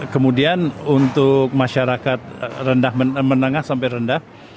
kemudian untuk masyarakat rendah menengah sampai rendah